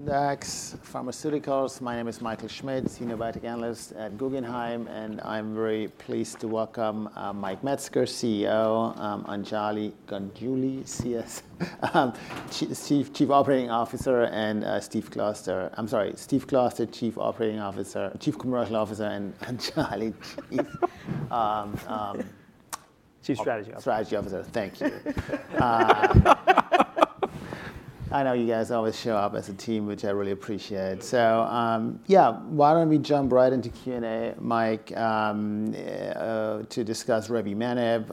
Syndax Pharmaceuticals. My name is Michael Schmidt, Senior Biotech Analyst at Guggenheim, and I'm very pleased to welcome Mike Metzger, CEO, Anjali Ganguli, Chief Strategy Officer, and Steve Kloster. I'm sorry, Steve Kloster, Chief Operating Officer, Chief Commercial Officer, and Anjali, Chief. Chief Strategy Officer. Strategy Officer. Thank you. I know you guys always show up as a team, which I really appreciate. So yeah, why don't we jump right into Q&A, Mike, to discuss revumenib?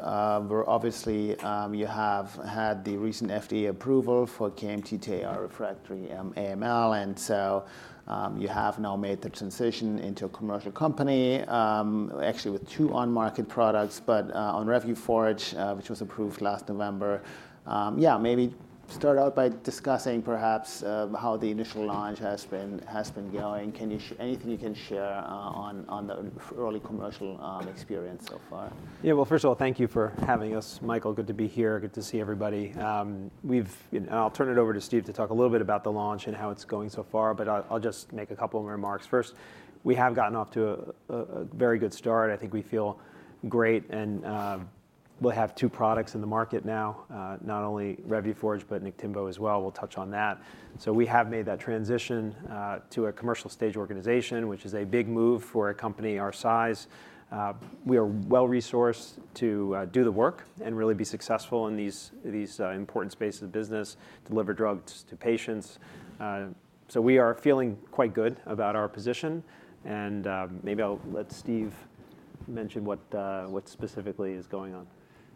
Obviously, you have had the recent FDA approval for KMT2A refractory AML, and so you have now made the transition into a commercial company, actually with two on-market products, but on Revuforj, which was approved last November. Yeah, maybe start out by discussing perhaps how the initial launch has been going. Anything you can share on the early commercial experience so far? Yeah, well, first of all, thank you for having us, Michael. Good to be here. Good to see everybody, and I'll turn it over to Steve to talk a little bit about the launch and how it's going so far, but I'll just make a couple of remarks. First, we have gotten off to a very good start. I think we feel great, and we'll have two products in the market now, not only Revuforj, but Niktimvo as well. We'll touch on that, so we have made that transition to a commercial stage organization, which is a big move for a company our size. We are well-resourced to do the work and really be successful in these important spaces of business, deliver drugs to patients, so we are feeling quite good about our position, and maybe I'll let Steve mention what specifically is going on.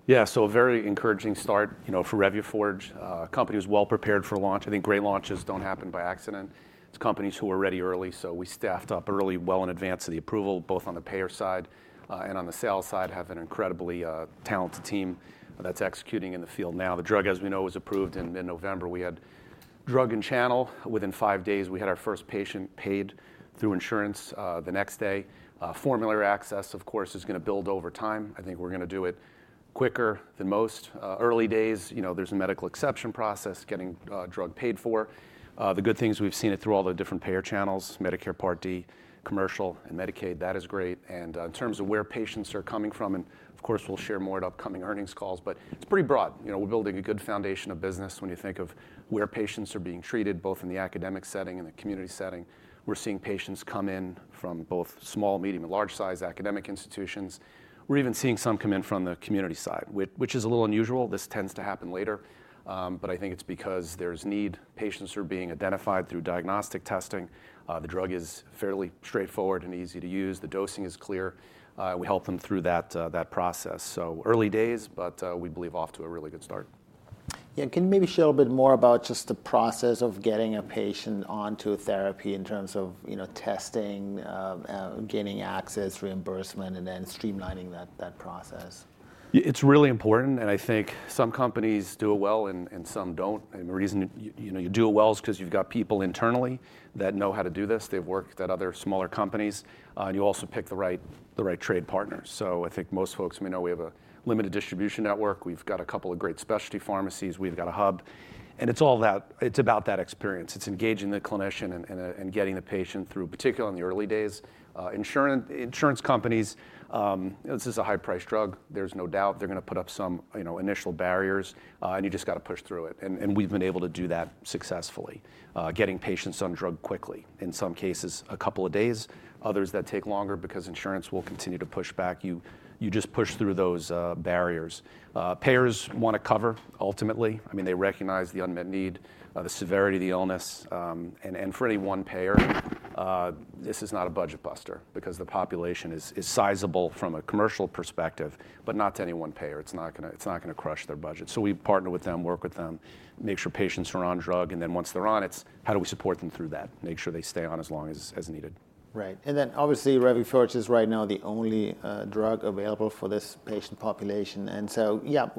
Yeah, so a very encouraging start for Revuforj. The company was well-prepared for launch. I think great launches don't happen by accident. It's companies who are ready early, so we staffed up early, well in advance of the approval, both on the payer side and on the sales side, have an incredibly talented team that's executing in the field now. The drug, as we know, was approved in November. We had drug in channel. Within five days, we had our first patient paid through insurance the next day. Formulary access, of course, is going to build over time. I think we're going to do it quicker than most early days. There's a medical exception process getting drug paid for. The good thing is we've seen it through all the different payer channels, Medicare Part D, commercial, and Medicaid. That is great. And in terms of where patients are coming from, and of course, we'll share more at upcoming earnings calls, but it's pretty broad. We're building a good foundation of business when you think of where patients are being treated, both in the academic setting and the community setting. We're seeing patients come in from both small, medium, and large-sized academic institutions. We're even seeing some come in from the community side, which is a little unusual. This tends to happen later, but I think it's because there's need. Patients are being identified through diagnostic testing. The drug is fairly straightforward and easy to use. The dosing is clear. We help them through that process. So early days, but we believe off to a really good start. Yeah, can you maybe share a bit more about just the process of getting a patient onto therapy in terms of testing, gaining access, reimbursement, and then streamlining that process? It's really important, and I think some companies do it well and some don't, and the reason you do it well is because you've got people internally that know how to do this. They've worked at other smaller companies, and you also pick the right trade partners, so I think most folks may know we have a limited distribution network. We've got a couple of great specialty pharmacies. We've got a hub, and it's all that. It's about that experience. It's engaging the clinician and getting the patient through, particularly in the early days. Insurance companies, this is a high-priced drug. There's no doubt they're going to put up some initial barriers, and you just got to push through it, and we've been able to do that successfully, getting patients on drug quickly. In some cases, a couple of days. Others that take longer because insurance will continue to push back. You just push through those barriers. Payers want to cover, ultimately. I mean, they recognize the unmet need, the severity of the illness, and for any one payer, this is not a budget buster because the population is sizable from a commercial perspective, but not to any one payer. It's not going to crush their budget, so we partner with them, work with them, make sure patients are on drug, and then once they're on, it's how do we support them through that, make sure they stay on as long as needed. Right, and then obviously, Revuforj is right now the only drug available for this patient population. And so yeah,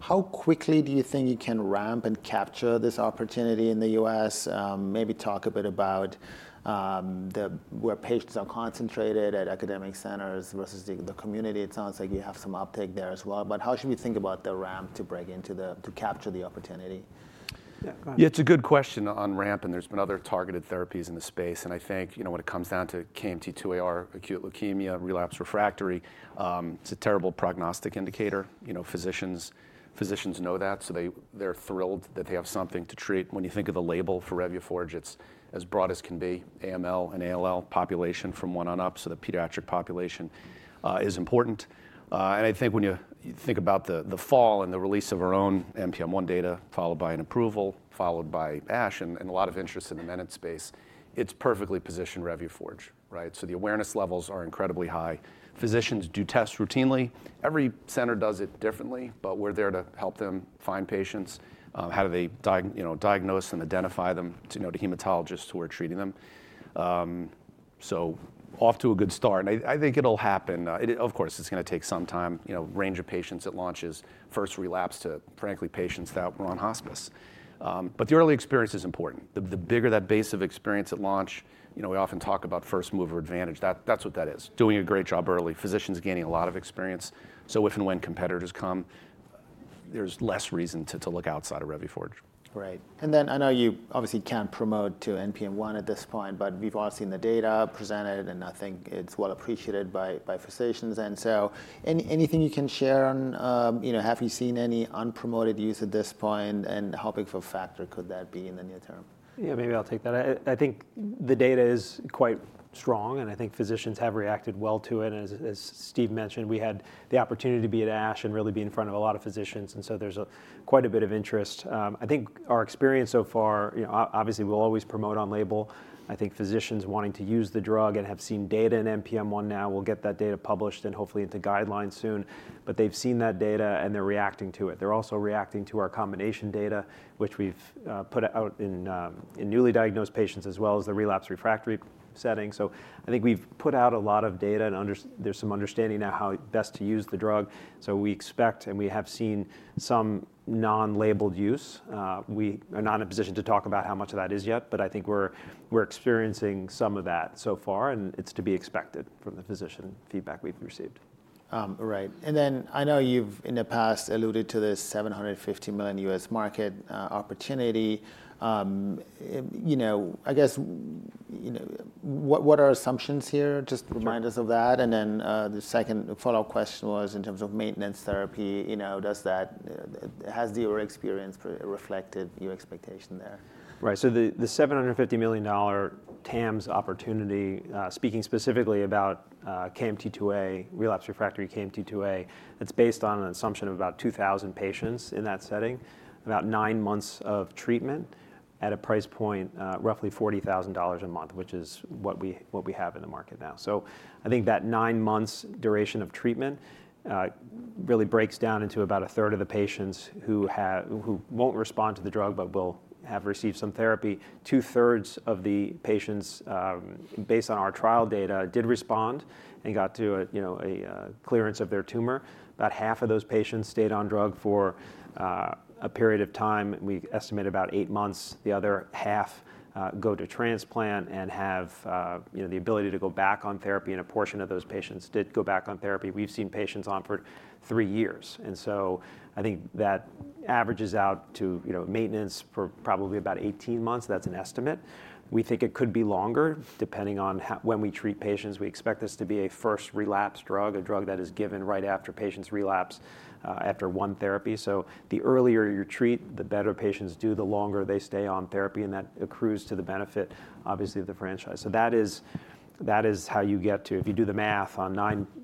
how quickly do you think you can ramp and capture this opportunity in the U.S.? Maybe talk a bit about where patients are concentrated at academic centers versus the community. It sounds like you have some uptake there as well, but how should we think about the ramp to break into the capture the opportunity? Yeah, it's a good question on ramp, and there's been other targeted therapies in the space. And I think when it comes down to KMT2A-r acute leukemia, relapse refractory, it's a terrible prognostic indicator. Physicians know that, so they're thrilled that they have something to treat. When you think of the label for Revuforj, it's as broad as can be, AML and ALL population from one on up. So the pediatric population is important. And I think when you think about the fall and the release of our own NPM1 data, followed by an approval, followed by ASH, and a lot of interest in the menin space, it's perfectly positioned Revuforj, right? So the awareness levels are incredibly high. Physicians do tests routinely. Every center does it differently, but we're there to help them find patients. How do they diagnose and identify them to hematologists who are treating them? Off to a good start. And I think it'll happen. Of course, it's going to take some time. Range of patients at launch is first relapse to, frankly, patients that were on hospice. The early experience is important. The bigger that base of experience at launch, we often talk about first mover advantage. That's what that is. Doing a great job early, physicians gaining a lot of experience. If and when competitors come, there's less reason to look outside of Revuforj. Right. And then I know you obviously can't promote to NPM1 at this point, but we've all seen the data presented, and I think it's well appreciated by physicians. And so anything you can share on, have you seen any unpromoted use at this point, and how big of a factor could that be in the near term? Yeah, maybe I'll take that. I think the data is quite strong, and I think physicians have reacted well to it. And as Steve mentioned, we had the opportunity to be at ASH and really be in front of a lot of physicians. And so there's quite a bit of interest. I think our experience so far, obviously, we'll always promote on label. I think physicians wanting to use the drug and have seen data in NPM1 now. We'll get that data published and hopefully into guidelines soon. But they've seen that data, and they're reacting to it. They're also reacting to our combination data, which we've put out in newly diagnosed patients as well as the relapse refractory setting. So I think we've put out a lot of data, and there's some understanding now how best to use the drug. We expect, and we have seen some non-labeled use. We are not in a position to talk about how much of that is yet, but I think we're experiencing some of that so far, and it's to be expected from the physician feedback we've received. Right. And then I know you've in the past alluded to this $750 million U.S. market opportunity. I guess, what are assumptions here? Just remind us of that. And then the second follow-up question was in terms of maintenance therapy, has your experience reflected your expectation there? Right. So the $750 million TAMS opportunity, speaking specifically about KMT2A, relapse refractory KMT2A, it's based on an assumption of about 2,000 patients in that setting, about nine months of treatment at a price point roughly $40,000 a month, which is what we have in the market now. So I think that nine months' duration of treatment really breaks down into about a third of the patients who won't respond to the drug but will have received some therapy. Two-thirds of the patients, based on our trial data, did respond and got to a clearance of their tumor. About half of those patients stayed on drug for a period of time. We estimate about eight months. The other half go to transplant and have the ability to go back on therapy. And a portion of those patients did go back on therapy. We've seen patients on for three years. And so I think that averages out to maintenance for probably about 18 months. That's an estimate. We think it could be longer, depending on when we treat patients. We expect this to be a first relapse drug, a drug that is given right after patients relapse after one therapy. So the earlier you treat, the better patients do, the longer they stay on therapy, and that accrues to the benefit, obviously, of the franchise. So that is how you get to, if you do the math, on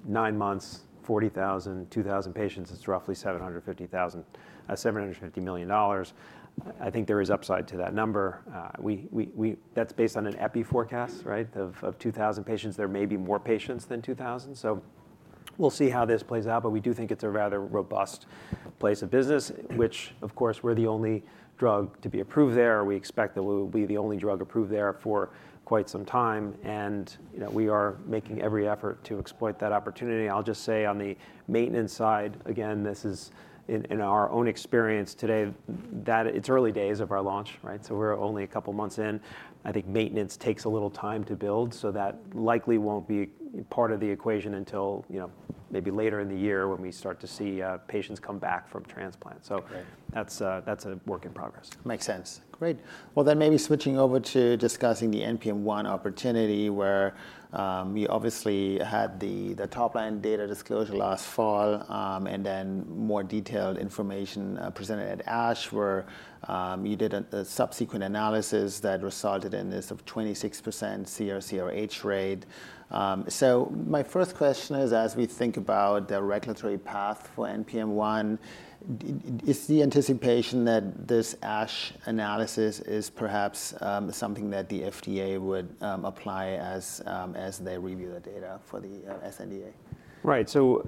nine months, 40,000, 2,000 patients, it's roughly $750 million. I think there is upside to that number. That's based on an epi forecast, right, of 2,000 patients. There may be more patients than 2,000. So we'll see how this plays out, but we do think it's a rather robust place of business, which, of course, we're the only drug to be approved there. We expect that we'll be the only drug approved there for quite some time. And we are making every effort to exploit that opportunity. I'll just say on the maintenance side, again, this is in our own experience today, it's early days of our launch, right? So we're only a couple of months in. I think maintenance takes a little time to build, so that likely won't be part of the equation until maybe later in the year when we start to see patients come back from transplant. So that's a work in progress. Makes sense. Great. Well, then maybe switching over to discussing the NPM1 opportunity where you obviously had the top-line data disclosure last fall and then more detailed information presented at ASH, where you did a subsequent analysis that resulted in this 26% CR/CRh rate. So my first question is, as we think about the regulatory path for NPM1, is the anticipation that this ASH analysis is perhaps something that the FDA would apply as they review the data for the sNDA? Right. So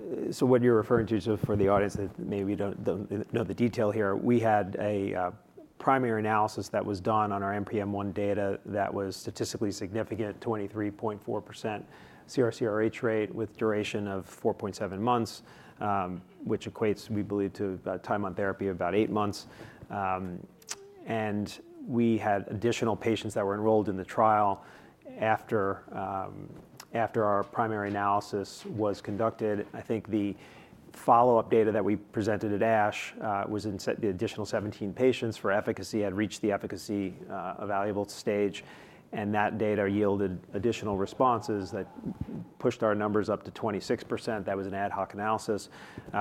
what you're referring to for the audience that maybe don't know the detail here, we had a primary analysis that was done on our NPM1 data that was statistically significant, 23.4% CR/CRh rate with duration of 4.7 months, which equates, we believe, to time on therapy of about eight months. And we had additional patients that were enrolled in the trial after our primary analysis was conducted. I think the follow-up data that we presented at ASH was in the additional 17 patients for efficacy had reached the evaluable stage, and that data yielded additional responses that pushed our numbers up to 26%. That was an ad hoc analysis.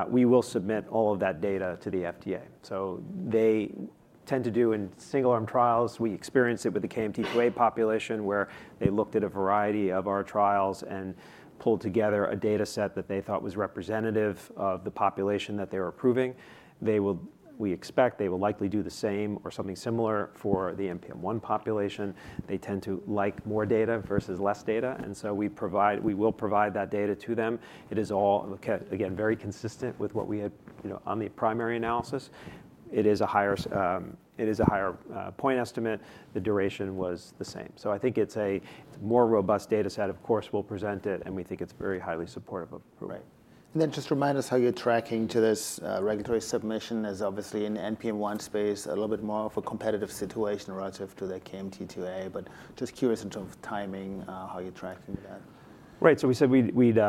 We will submit all of that data to the FDA. So they tend to do in single-arm trials. We experienced it with the KMT2A population where they looked at a variety of our trials and pulled together a data set that they thought was representative of the population that they were approving. We expect they will likely do the same or something similar for the NPM1 population. They tend to like more data versus less data, and so we will provide that data to them. It is all, again, very consistent with what we had on the primary analysis. It is a higher point estimate. The duration was the same, so I think it's a more robust data set. Of course, we'll present it, and we think it's very highly supportive of approval. Right. And then just remind us how you're tracking to this regulatory submission. There's obviously in the NPM1 space a little bit more of a competitive situation relative to the KMT2A, but just curious in terms of timing, how you're tracking that? Right. So we said we'd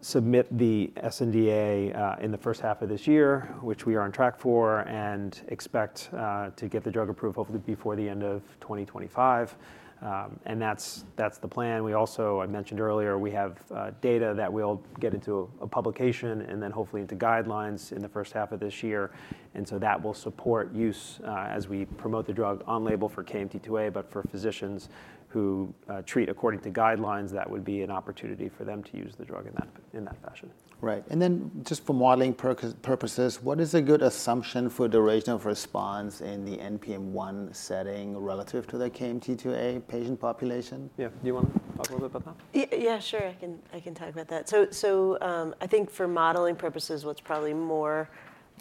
submit the sNDA in the first half of this year, which we are on track for, and expect to get the drug approved, hopefully before the end of 2025. And that's the plan. We also, I mentioned earlier, we have data that we'll get into a publication and then hopefully into guidelines in the first half of this year. And so that will support use as we promote the drug on label for KMT2A, but for physicians who treat according to guidelines, that would be an opportunity for them to use the drug in that fashion. Right. And then just for modeling purposes, what is a good assumption for duration of response in the NPM1 setting relative to the KMT2A patient population? Yeah. Do you want to talk a little bit about that? Yeah, sure. I can talk about that. So I think for modeling purposes, what's probably more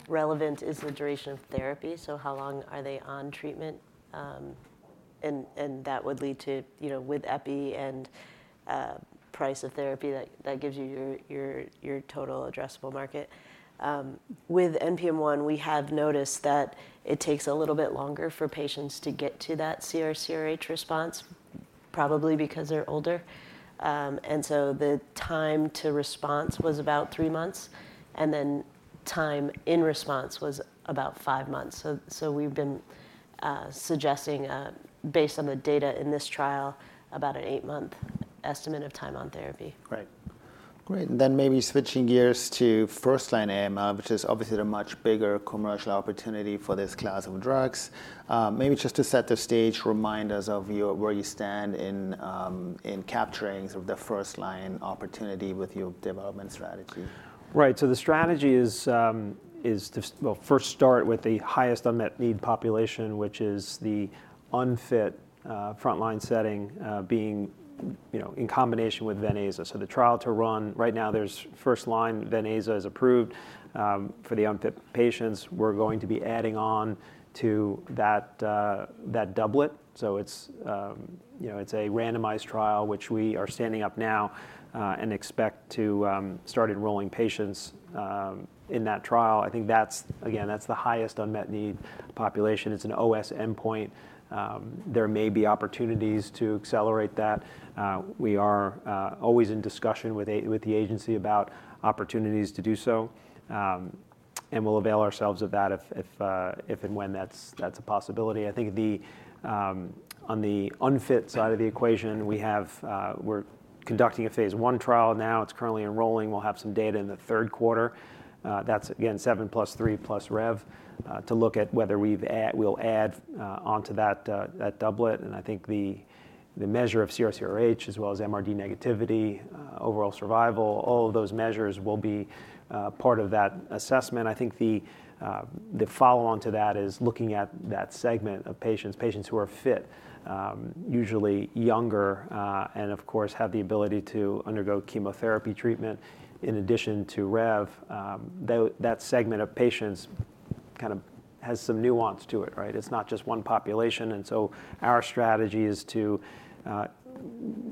relevant is the duration of therapy. So how long are they on treatment? And that would lead to, with EPI and price of therapy, that gives you your total addressable market. With NPM1, we have noticed that it takes a little bit longer for patients to get to that CR/CRh response, probably because they're older. And so the time to response was about three months, and then time in response was about five months. So we've been suggesting, based on the data in this trial, about an eight-month estimate of time on therapy. Right. Great. And then maybe switching gears to first-line AML, which is obviously a much bigger commercial opportunity for this class of drugs. Maybe just to set the stage, remind us of where you stand in capturing the first-line opportunity with your development strategy. Right. So the strategy is to first start with the highest unmet need population, which is the unfit front-line setting being in combination with Venclexta. So the trial to run right now, there's first-line Venclexta is approved for the unfit patients. We're going to be adding on to that doublet. So it's a randomized trial, which we are standing up now and expect to start enrolling patients in that trial. I think, again, that's the highest unmet need population. It's an OS endpoint. There may be opportunities to accelerate that. We are always in discussion with the agency about opportunities to do so, and we'll avail ourselves of that if and when that's a possibility. I think on the unfit side of the equation, we're conducting a phase one trial now. It's currently enrolling. We'll have some data in the third quarter. That's again seven plus three plus rev to look at whether we'll add onto that doublet. And I think the measure of CR/CRh as well as MRD negativity, overall survival, all of those measures will be part of that assessment. I think the follow-on to that is looking at that segment of patients, patients who are fit, usually younger, and of course, have the ability to undergo chemotherapy treatment in addition to rev. That segment of patients kind of has some nuance to it, right? It's not just one population. And so our strategy is to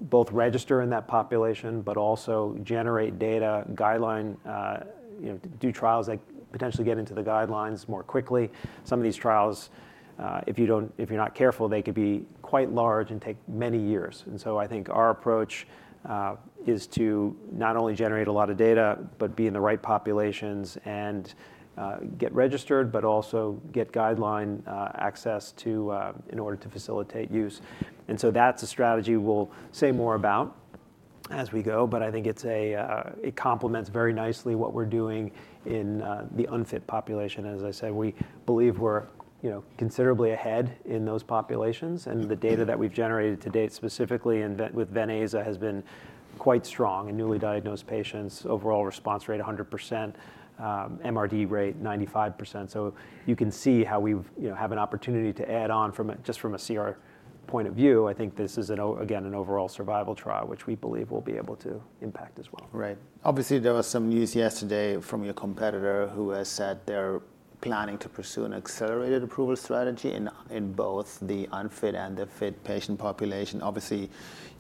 both register in that population, but also generate data, guideline, do trials that potentially get into the guidelines more quickly. Some of these trials, if you're not careful, they could be quite large and take many years. And so I think our approach is to not only generate a lot of data, but be in the right populations and get registered, but also get guideline access in order to facilitate use. And so that's a strategy we'll say more about as we go, but I think it complements very nicely what we're doing in the unfit population. As I said, we believe we're considerably ahead in those populations, and the data that we've generated to date specifically with Venclexta has been quite strong in newly diagnosed patients, overall response rate 100%, MRD rate 95%. So you can see how we have an opportunity to add on just from a CR point of view. I think this is, again, an overall survival trial, which we believe we'll be able to impact as well. Right. Obviously, there was some news yesterday from your competitor who has said they're planning to pursue an accelerated approval strategy in both the unfit and the fit patient population. Obviously,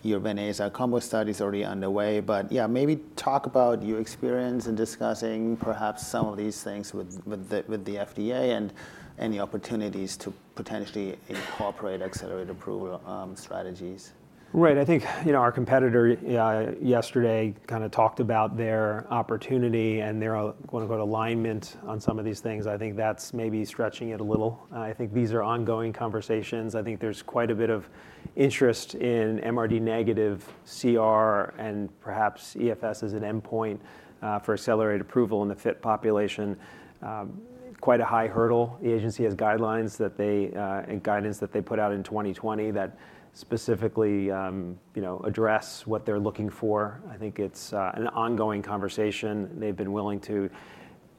your Venclexta combo study is already underway. But yeah, maybe talk about your experience in discussing perhaps some of these things with the FDA and any opportunities to potentially incorporate accelerated approval strategies. Right. I think our competitor yesterday kind of talked about their opportunity and their, quote-unquote, "alignment" on some of these things. I think that's maybe stretching it a little. I think these are ongoing conversations. I think there's quite a bit of interest in MRD negative CR and perhaps EFS as an endpoint for accelerated approval in the fit population. Quite a high hurdle. The agency has guidelines and guidance that they put out in 2020 that specifically address what they're looking for. I think it's an ongoing conversation. They've been willing to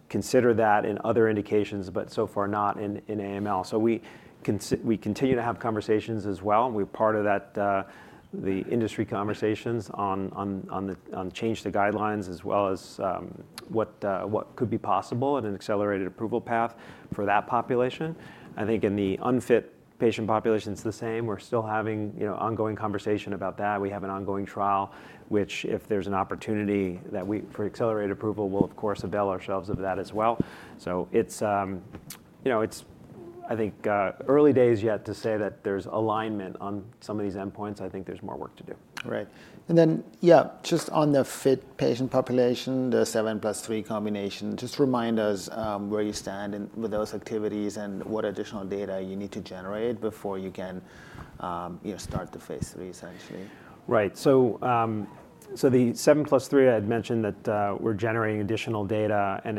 consider that in other indications, but so far not in AML. So we continue to have conversations as well. We're part of the industry conversations on change to guidelines as well as what could be possible in an accelerated approval path for that population. I think in the unfit patient population, it's the same. We're still having ongoing conversation about that. We have an ongoing trial, which if there's an opportunity for accelerated approval, we'll, of course, avail ourselves of that as well. So I think early days yet to say that there's alignment on some of these endpoints. I think there's more work to do. Right. And then, yeah, just on the fit patient population, the 7+3 combination, just remind us where you stand with those activities and what additional data you need to generate before you can start the phase 3, essentially? Right, so the 7+3, I had mentioned that we're generating additional data, and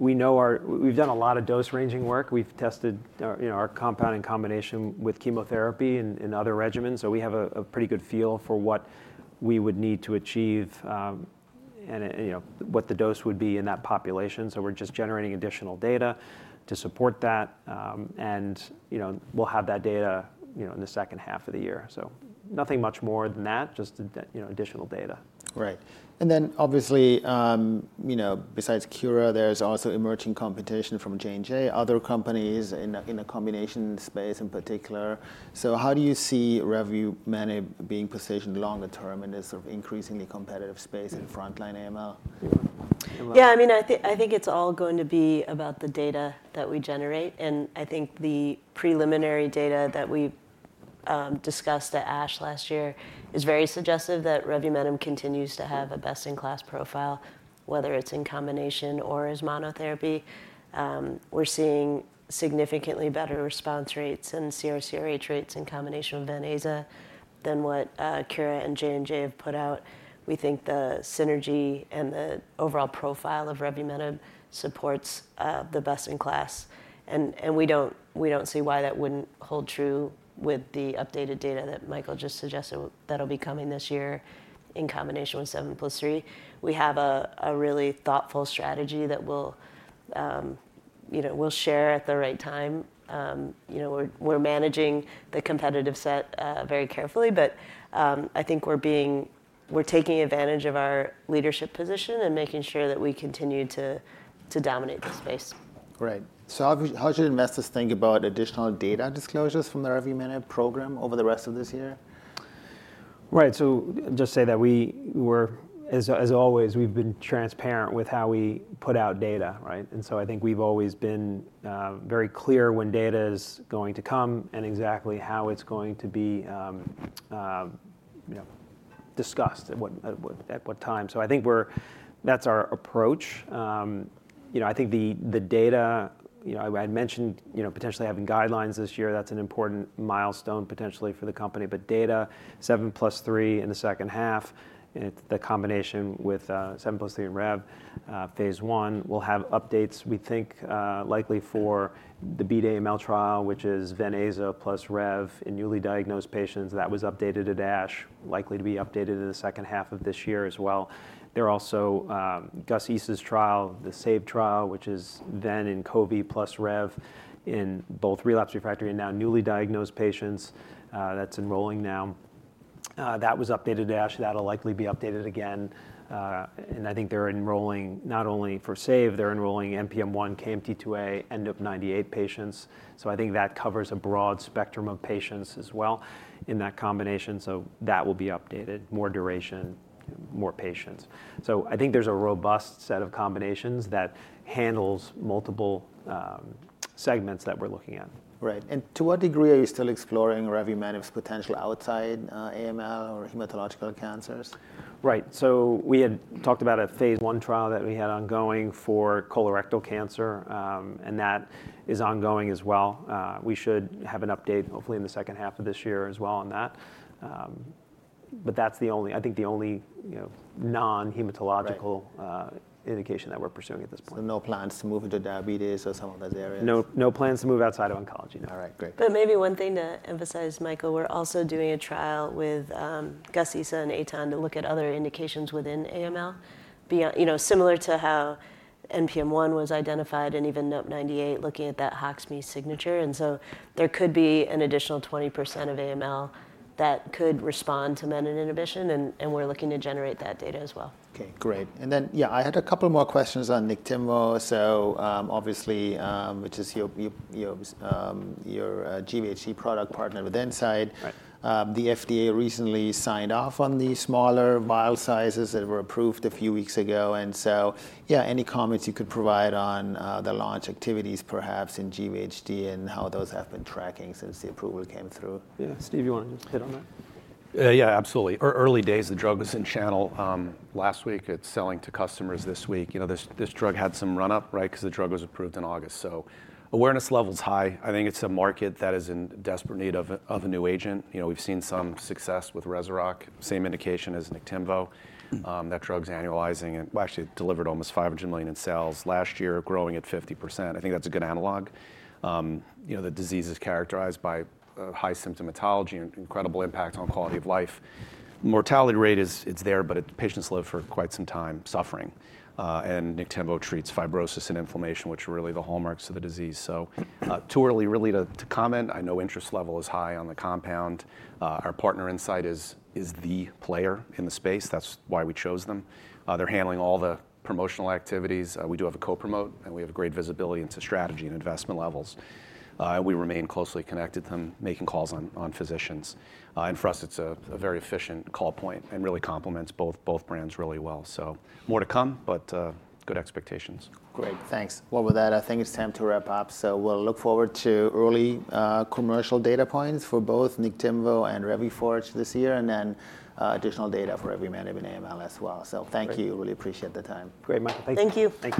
we know we've done a lot of dose ranging work. We've tested our compound in combination with chemotherapy and other regimens, so we have a pretty good feel for what we would need to achieve and what the dose would be in that population, so we're just generating additional data to support that, and we'll have that data in the second half of the year, so nothing much more than that, just additional data. Right. And then obviously, besides Kura, there's also emerging competition from J&J, other companies in the combination space in particular. So how do you see revumenib being positioned longer term in this sort of increasingly competitive space in front-line AML? Yeah. I mean, I think it's all going to be about the data that we generate. And I think the preliminary data that we discussed at ASH last year is very suggestive that revumenib continues to have a best-in-class profile, whether it's in combination or as monotherapy. We're seeing significantly better response rates and CR/CRh rates in combination with Venclexta than what Kura and J&J have put out. We think the synergy and the overall profile of revumenib supports the best-in-class. And we don't see why that wouldn't hold true with the updated data that Michael just suggested that'll be coming this year in combination with 7+3. We have a really thoughtful strategy that we'll share at the right time. We're managing the competitive set very carefully, but I think we're taking advantage of our leadership position and making sure that we continue to dominate the space. Right. So how should investors think about additional data disclosures from the revumenib program over the rest of this year? Right. So just say that, as always, we've been transparent with how we put out data, right? And so I think we've always been very clear when data is going to come and exactly how it's going to be discussed at what time. So I think that's our approach. I think the data, I had mentioned potentially having guidelines this year. That's an important milestone potentially for the company. But data, seven plus three in the second half, the combination with seven plus three and rev, phase one, we'll have updates, we think, likely for the BEAT AML trial, which is Venclexta plus rev in newly diagnosed patients. That was updated at ASH, likely to be updated in the second half of this year as well. There are also Ghayas Issa's trial, the SAVE trial, which is Ven and Inqovi plus rev in both relapse refractory and now newly diagnosed patients. That's enrolling now. That was updated at ASH. That'll likely be updated again. And I think they're enrolling not only for SAVE, they're enrolling NPM1, KMT2A, NUP98 patients. So I think that covers a broad spectrum of patients as well in that combination. So that will be updated, more duration, more patients. So I think there's a robust set of combinations that handles multiple segments that we're looking at. Right, and to what degree are you still exploring revumenib's potential outside AML or hematological cancers? Right, so we had talked about a phase I trial that we had ongoing for colorectal cancer, and that is ongoing as well. We should have an update, hopefully in the second half of this year as well on that, but that's the only, I think the only non-hematological indication that we're pursuing at this point. So no plans to move into diabetes or some of those areas? No plans to move outside of oncology. All right. Great. But maybe one thing to emphasize, Michael, we're also doing a trial with Ghayas Issa and Eytan to look at other indications within AML, similar to how NPM1 was identified and even NUP98, looking at that HOX/MEIS signature. And so there could be an additional 20% of AML that could respond to menin inhibition, and we're looking to generate that data as well. Okay. Great. And then, yeah, I had a couple more questions on Niktimvo. So obviously, which is your GVHD product partner with Incyte, the FDA recently signed off on the smaller vial sizes that were approved a few weeks ago. And so, yeah, any comments you could provide on the launch activities, perhaps in GVHD and how those have been tracking since the approval came through? Yeah. Steve, you want to hit on that? Yeah, absolutely. It's early days, the drug was in channel last week. It's selling to customers this week. This drug had some run-up, right, because the drug was approved in August. So awareness level's high. I think it's a market that is in desperate need of a new agent. We've seen some success with Rezurock, same indication as Niktimvo. That drug's annualizing and actually delivered almost $500 million in sales last year, growing at 50%. I think that's a good analog. The disease is characterized by high symptomatology and incredible impact on quality of life. Mortality rate is there, but patients live for quite some time suffering, and Niktimvo treats fibrosis and inflammation, which are really the hallmarks of the disease, so too early really to comment. I know interest level is high on the compound. Our partner Incyte is the player in the space. That's why we chose them. They're handling all the promotional activities. We do have a co-promote, and we have great visibility into strategy and investment levels. We remain closely connected to them, making calls on physicians. And for us, it's a very efficient call point and really complements both brands really well. So more to come, but good expectations. Great. Thanks. Well, with that, I think it's time to wrap up. So we'll look forward to early commercial data points for both Niktimvo and Revuforj this year and then additional data for revumenib AML as well. So thank you. Really appreciate the time. Great, Michael. Thank you. Thank you.